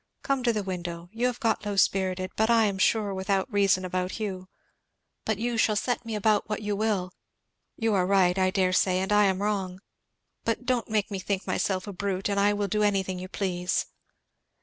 Come to the window you have got low spirited, but I am sure without reason about Hugh, but you shall set me about what you will You are right, I dare say, and I am wrong; but don't make me think myself a brute, and I will do anything you please."